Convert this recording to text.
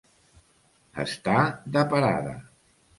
Estar de parada.